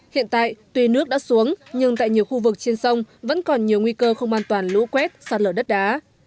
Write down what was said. hiện tại tuy nước đã xuống nhưng tại nhiều khu vực trên sông vẫn còn nhiều nguy cơ không an toàn lũ quét sạt lở đất đá